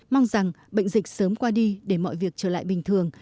mong rằng bệnh dịch sớm qua đi để mọi việc trở lại bình thường